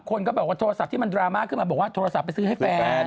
คนก็บอกว่าโทรศัพท์ที่มันดราม่าขึ้นมาบอกว่าโทรศัพท์ไปซื้อให้แฟน